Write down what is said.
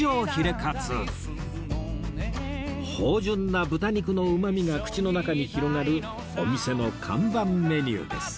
芳醇な豚肉のうまみが口の中に広がるお店の看板メニューです